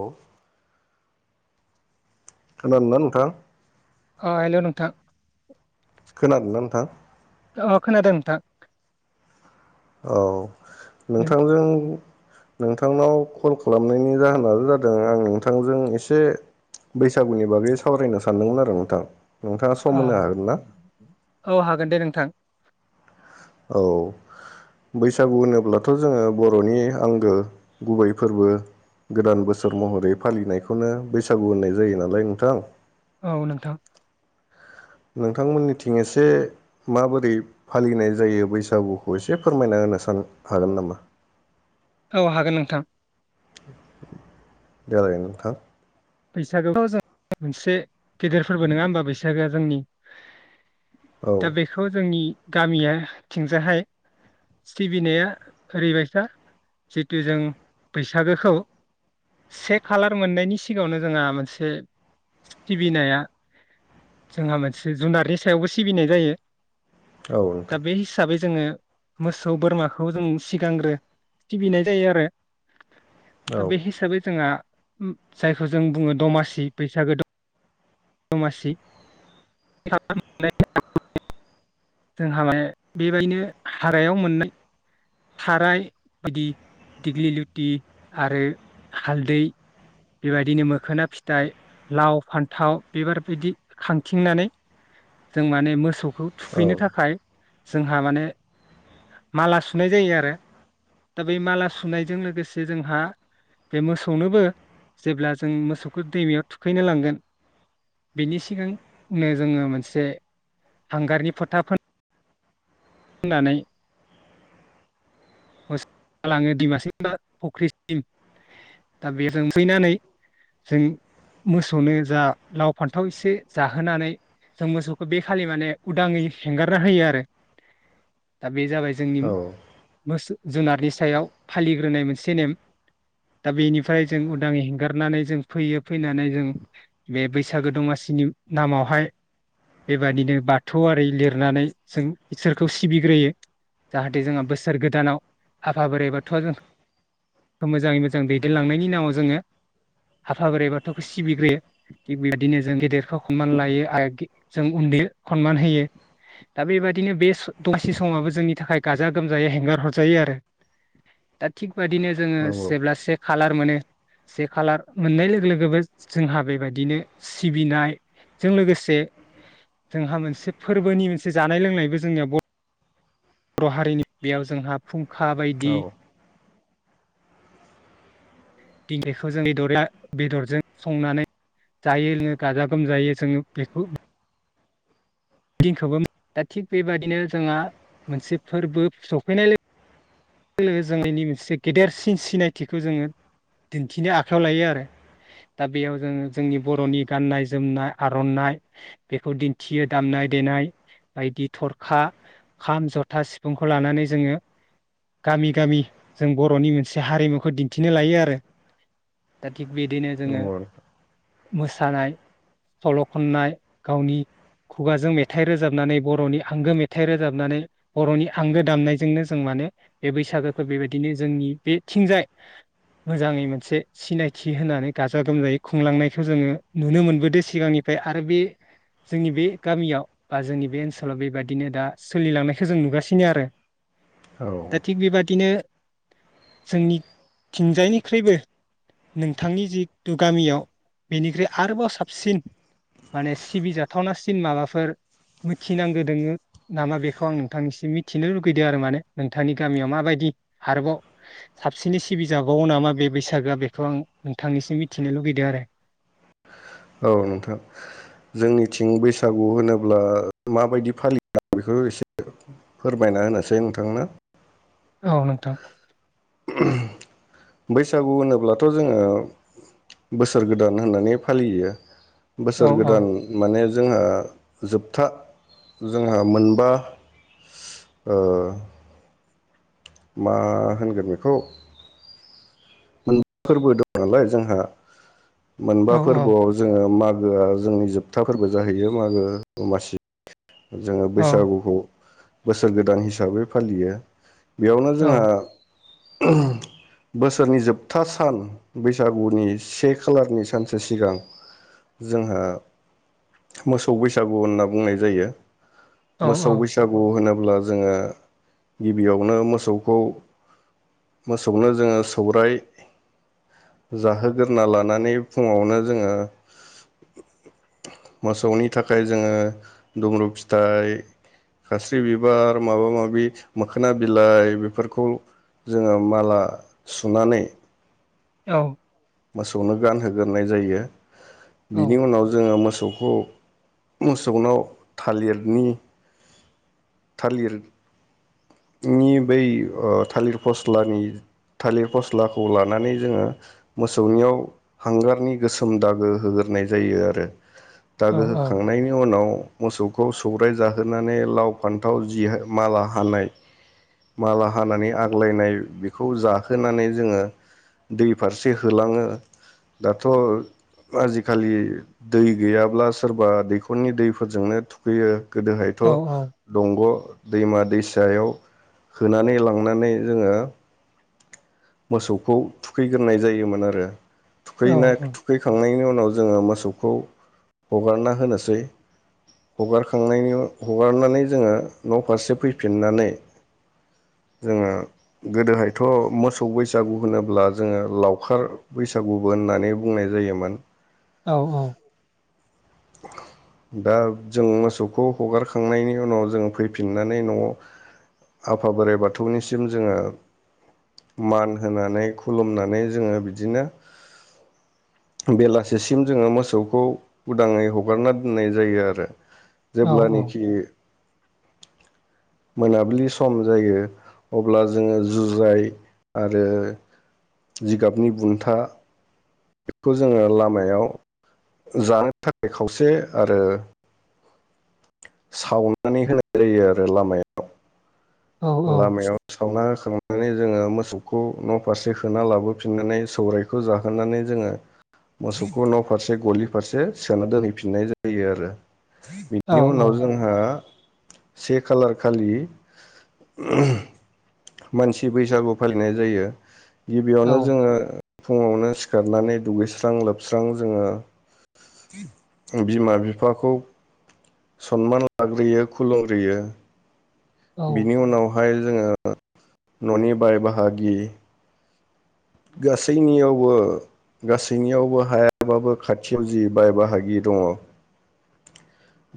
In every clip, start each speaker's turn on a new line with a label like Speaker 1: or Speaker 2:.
Speaker 1: औ खोनादोंना नोंथां?
Speaker 2: ओ हेल' नोंथां।
Speaker 1: खोनादोंना नोंथां?
Speaker 2: अ खोनादों नोंथां।
Speaker 1: औ
Speaker 2: नों
Speaker 1: नोंथांजों नोंथांनाव कल खालामनायनि जाहोनानो जादों आं नोंथांजों एसे बैसागुनि बागै सावरायनो सानदोंमोन आरो नोंथां। नोंथाङा सम
Speaker 2: अ
Speaker 1: होनो हागोन ना
Speaker 2: औ हागोन दे नोंथां।
Speaker 1: औ बैसागु होनोब्लाथ' जोङो बर'नि आंगो गुबै फोरबो गोदान बोसोर महरै फालिनायखौनो बैसागु होननाय जायो नालाय नोंथां।
Speaker 2: औ नोंथां।
Speaker 1: नोंथांमोननिथिं एसे माबोरै फालिनाय जायो बैसागुखौ एसे फोरमायना होनो सान हागोन नामा?
Speaker 2: औ हागोन नोंथां।
Speaker 1: देलाय नोंथां
Speaker 2: बैसागोआवथ' जों मोनसे गेदेरफोरबो नोङा होमबा बैसागोआ जोंनि?
Speaker 1: औ
Speaker 2: दा बेखौ जोंनि गामियाथिंजाहाय सिबिनाया ओरैबायसा जिटु जों बैसागोखौ से खालार मोननायनि सि सिगाङावनो जोंहा मोनसे सिबिनाया जोंहा मोनसे जुनारनि सायावबो सिबिनाय जायो। दा
Speaker 1: नोंथां
Speaker 2: बे हिसाबै ज जोङो मोसौ बोरमाखौ जों सिगांग्रो सिबिनाय जायो आरो दा
Speaker 1: औ
Speaker 2: बे हिसाबै जोंआ उम जायखौ जों बुङो दमासि बैसागो द दमासि [unintelligible] जोंहा माने बेबायदिनो हाग्रायाव मोननाय थाराय बिदि दिग्लि लुटि आरो हालदै बेबायदिनो मोखोना फिथाइ, लाव, फान्थाव बेबार फैदि खांथिंनानै जों माने मोसौ खौ
Speaker 1: औ
Speaker 2: थुखैनो थाखाय जोंहा माने सुनाय जायो आरो दा बे माला सुनायजों लोगोसे जोंहा बे मोसौनोबो जेब्ला जों मोसौखौ दैमायाव थुखैनो लांगोन बेनि सिगांनो जोङो मोनसे हांगारनि फोथा फो ननानै मोसौखौ लाङो दैमासिम बा फुख्रिसिम दा बेजों फैनानै जों मोसौनो जा लाव फान्थाव एसे जाहोनानै जों मोसौखौ बे खालि माने उदाङै हेंगारना होयो आरो दा बे जाबाय जोंनि
Speaker 1: औ
Speaker 2: सु जुनारनि सायाव फालिग्रोनाय मोनसे नेम दा बेनिफ्राय जों उदां हेंगारनानै जों फैयो फैनानै जों बे बैसागो दमासिनि नामावहाय बेबादिनो बाथौआरि लिरनानै जों इसोरखौ सिबिग्रोयो जाहाथे जोंहा बो सोर गोदानाव आफा बोराइ बाथौआ जोंखौ मोजाङै मोजां दैदेनलांनायनि नामाव जोङो आफा बोराइ बाथौखौ सिबिग्रोयो थिग बेबायदिनो जों गेदेरखौ सनमान लायो आरो जों उन्दै सनमान होयो दा बेबदिनो बे दसे समाबो जोंनि थाखाय गाजा गोम जायै हेंगार हरजायो आरो दा थिग बेबायदिनो जोङो
Speaker 1: नंगौ
Speaker 2: जेब्ला से खालार मोनो से खालार मोननाय लोगो लोगोबो जोंहा बेबायदिनो सिबिनायजों लोगोसे जोंहा मोनसे फोरबोनि मोनसे जानाय लोंनायबो जोंनिया बर' हारिनि बेयाव जोंहा फुं खा
Speaker 1: औ
Speaker 2: बायदि दिंगिखौ जों बेदरजों संनानै जायो लोङो गाजा गोमजायायोै जोङो बेखौ दिनखौबो दा थिग बेबादिनो जोंहा मोनसे फोरबो सफैनाय लो गो जोंनि मोनसे गेदेरसिन सिनायथिखौ जोङो दिन्थिनो आखायाव लायो आरो दा बेयाव जोङो जोंनि बर'नि गाननाय जोमनाय आर'नाइ बेखौ दिन्थियो दामनाय देनाय बायदि थरखा, खाम, जथा, सिफुंखौ लानानै जोङो। गामि गामि जों बर'नि मोनसे हारिमुखौ दिन्थिनो लायो आरो थिक बिदिनो जोङो
Speaker 1: नंगौ नोंथां
Speaker 2: मोसानाय सल' खननाय गावनि खुगाजों मेथाइ रोजाबनानै बर'नि आंगो मेथाइ रोजाबनानै बर'नि आंगो दामनायजोंनो जों माने बे बैसागोखौ बेबायदिनो जोंनि बेथिंजाय मोजाङै मोनसे सिनायथि होनानै गाजा गोमजायै खुंलांनायखौ जोङो नुनो मोनबोदों सिगांनिफ्राय आरो बे जोंनि बे गामियाव बा जोंनि बे ओनसोलाव बेबायदिनो दा सोलिलांनायखौ जों नुगासिनो आरो।
Speaker 1: औ
Speaker 2: दा
Speaker 1: औ
Speaker 2: थिग बेबादिनो जोंनिथिंजायनिख्रुइबो नोंथांनि जिथु गामियाव बेनिख्रुइ आरोबाव साबसिन माने सिबिजाथावनासिन माबाफोर मिथिनांगौ दोङो नामा बेखौ आं नोंथांनिसिम मिथिनो लुगैदों आरो माने? नोंथांनि गामियाव माबायदि आरोबाव साबसिनै सिबिजाबावो नामा बे बैसागोआ बेखौ आं नोंथांनिसिम मिथिनो लुगैदों आरो?
Speaker 1: औ नोंथां जोंनिथिं बैसागु होनोब्ला माबायदि फालियो आं बेखौ एसे फोरमायना होनोसै नोंथांनो।
Speaker 2: औ नोंथां
Speaker 1: बैसागु होनोब्लाथ' जोङो बोसोर गोदान होननानै फालियो।
Speaker 2: औ
Speaker 1: बोसोर
Speaker 2: औ
Speaker 1: गोदान माने ओ जोंहा जोबथा जोंहा मोनबा ओ मा होनगोन बेखौ मोनबा फोरबो दं नालाय जोंहा
Speaker 2: औ
Speaker 1: मोनबा फोरबोआव जोङो मा गोआ जोंनि जोबथाफोरबो जाहैयो मागो दमासि। जोङो
Speaker 2: औ
Speaker 1: बैसागुखौ बोसोर गोदान हिसाबै फालियो। बेयावनो
Speaker 2: औ
Speaker 1: जोंहा बोसोरनि जोब था सान बैसागुनि से खालारनि सानसे सिगां जोंहा मोसौ बैसागु होनना बुंनाय जायो।
Speaker 2: औ
Speaker 1: मोसौ बैसागु होनो ब्ला जोङो गिबियावनो मोसौखौ मोसौनो जोङो सौराय जाहोग्रोना लानानै फुङावनो जोङो मोसौनि थाखाय जोङो दुमरू फिथाइ खास्रि बिबार माबा माबि मोखोना बिलाइ बेफोरखौ जोङो माला सुनानै
Speaker 2: औ
Speaker 1: मोसौनो गानहोग्रोनाय जायो बिनि उनाव जोङो मोसो मोसौखौ मोसौनाव थालिरनि थालिर नि बै थालिर फस्लानि थालिर फस्लाखौ लानानै जोङो मोसौनियाव हांगारनि गोसोम दागो होग्रोनाय जायो आरो
Speaker 2: औ
Speaker 1: दागो होखांनायनि उनाव मोसौखौ सौराय जाहोनानै लाव फान्थाव जि माला हानाय माला हानानै आग्लायनाय बेखौ जाहोनानै जोङो दै फारसे होलाङो दाथ' आजिखालि दै गैयाब्ला सोरबा दैखरनि दैफोरजोंनो थुखैयो। गोदोहायथ'
Speaker 2: औ औ
Speaker 1: दंग' दैमा दैसायाव होनानै लांनानै जोङो मोसौखौ थुखैग्रोनाय जायोमोन आरो थुखैनाय
Speaker 2: औ औ
Speaker 1: थुखैखांनायनि उनाव ओ जों मोसौखौ हागारना होनोसै हागारखांनायनि हगारनानै जोंङो न' फारसे फैफिननानै जोंंङो गोदोहायथ' मोसौ मोसौ बैसागु होनोब्ला जोंङो लावखार बैसागुबो होननानै बुंनाय जायोमोन
Speaker 2: औ औ
Speaker 1: दा जों मोसौखौ हगारखांनायनि उनाव जों फैफिननानै न'आव आफा बोराइ बाथौनिसिम जोंङो मान होनानै खुलुमनानै जोंङो बिदिनो बेलासिसिम जोंङो मोसौखौ उदांङै हगारना दोननाय जायो आरो जेब्लानेखि मोनाबिलि सम जायो अब्ला जोंङो जुजाय आरो जिगाबनि बुन्था बेखौ जोंङो लामायाव जानो थाखाय खावसे आरो सावनानै होनाय जायो आरो लामायाव लामायाव सावना होखां नानै जोंङो मोसौखौ न' फारसे होना लाबोफिननानै सौरायखौ जाहोनानै जोंङो मोसौखौ न' फारसे गलि फारसे सोना दोनहैफिननाय जायो आरो बिनि उनाव जोंहा से खाालार खालि मानसि बैसागु फालिनाय जायो गिबियावनो जोंङो फुङावनो सिखारनानै दुगैस्रां लोबस्रां जोंङो बिमा बिफाखौ सनमान लाग्रोयो खुलुमग्रोयो बिनि उनाव बेवहाय जोंङो न'नि बाय बाहागि गासैनियावबो गासैनियावबो हायाबाबो खाथियाव जि बाय बाहागि दंङ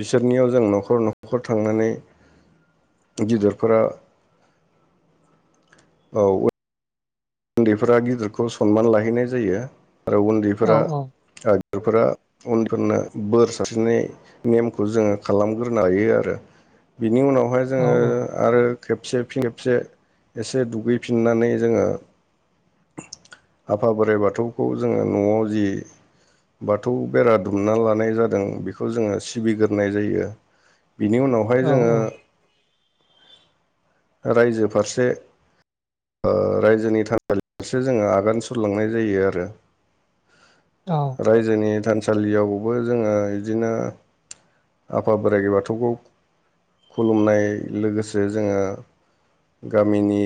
Speaker 1: बिसोरनियाव जों न'खर न'खर थांनानै गिदिरफोरा औ उन्दैफोरा गिदिरखौ सनमान लाहैनाय जायो आरो उन्दैफोरा ओ फोरा उन्दैफोरनो बोर सारस्रिनाय नेमखौ जोंङो खालामग्रोनो हायो आरो बि बिनि उनावहाय जोंङो आरो खेबसे फिन खेबसे एसे दुगैफिननानै जोंङो आफा बोराइ बाथौखौ जोंङो न'आव जि बाथौ बेरा दुमना लानाय जादों बेखौ जोंङो सिबिग्रोनाय जायो बिनि उनावहाय
Speaker 2: औ
Speaker 1: जोंङो
Speaker 2: औ
Speaker 1: रायजो फारसे ओ रायजोनि थानसालि फारसे जोंङो आगान सुरलांनाय जायो आरो रायजोनि थान थानसालियावबो जोंङो बिदिनो आफा बोराइ बाथौखौ खुलुमनाय लोगोसे जोंङो गामिनि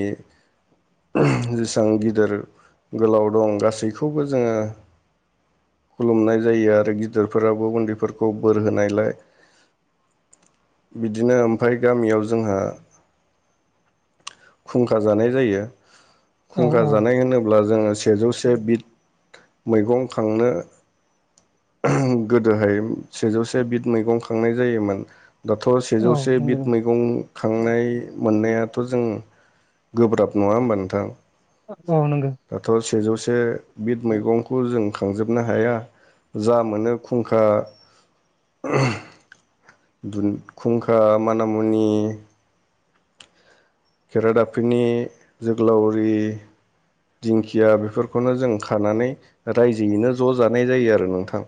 Speaker 1: जेसेबां गिदिर गोलाव दं गासैखौबो जोंङो खुलुमनाय जायो आरो गिदिरफोराबो उन्दैफोरखौ बोर होनायलाय बिदिनो ओमफाय गामियाव जोंहा खुंखा जानाय जायो खुंखा
Speaker 2: औ
Speaker 1: जानाय होनोब्ला जोङो सेजौ से से बिद मैगं खांनो गोदोहाय सेजौसे बिद मैगं खांनाय जायोमोन दाथ' सेजौसे
Speaker 2: नंगौ
Speaker 1: बिद मैगं खांनाय मोननायाथ' जों गोब्राब नंङा होमबा नोंथां
Speaker 2: औ नंगौ
Speaker 1: दाथ' सेजौसे बिद मैगंखौ जों खांजोबनो हाया जा मोनो खुंखा खुंखा मानि मुनि खेरादाफिनि, जोगलावरि, दिंखिया बेफोरखौनो जों खानानै रायजोयैनो ज' जानाय जायो आरो नोंथां।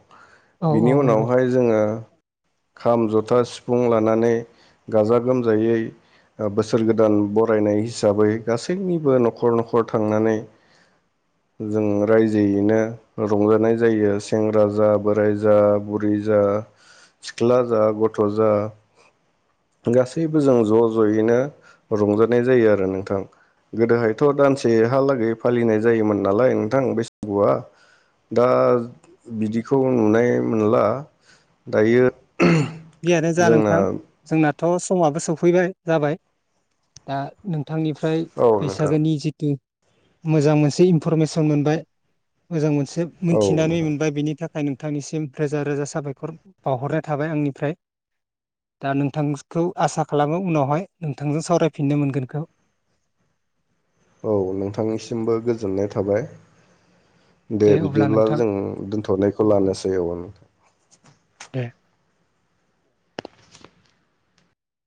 Speaker 2: औ औ
Speaker 1: बिनि
Speaker 2: नंगौ।
Speaker 1: उनावहाय जोङो खाम, जथा, सिफुं लानानै गाजा-गोमजायै बोसोर गोदान बरायनाय हिसाबै गासैनिबो न'खर-न'खर थांनानै जों रायजोयैनो रंजानाय जायो। सेंग्रा जा, बोराय जा, बुरै जा, सिख्ला जा, गथ' जा गासैबो जों ज'- ज'यैनो रंजानाय जायो आरो नोंथां। गोदोहायथ' दानसेहालागै फालिनाय जायोमोन नालाय नोंथां बैसागुआ, दा बिदिखौ नुनो मोनला। दायो
Speaker 2: जियानो जा
Speaker 1: जोंना
Speaker 2: नोंथां जोंना थ' समाबो सफैबाय जाबाय, दा नों थांनिफ्राय
Speaker 1: औ नोंथां
Speaker 2: बैसागोनि जिथु मोजां मोनसे इनफरमेसन मोनबाय, मोजां मोन से
Speaker 1: औ
Speaker 2: मिथिनानै
Speaker 1: नोंथां
Speaker 2: मोनबाय बिनि थाखाय थांनिसिम रोजा-रोजा साबायखर बावहरनाय थाबाय आंनिफ्राय। ओमफ्राय दा नोंथांखौ आसा खालामो उनावहाय नोंथांजों सावरायफिननो मोनगोनखौ।
Speaker 1: औ नोंथांनिसिमबो गोजोननाय थाबाय। दे
Speaker 2: अब्ला
Speaker 1: बिदिब्ला
Speaker 2: नोंथां
Speaker 1: जों दोनथ'नायखौ लानोसै औ
Speaker 2: दे।